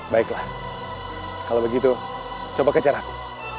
baiklah kalau begitu coba kejar aku